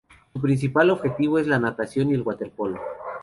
Su principal objetivo es la natación y el waterpolo.